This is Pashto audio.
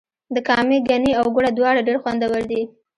د کامې ګني او ګوړه دواړه ډیر خوندور دي.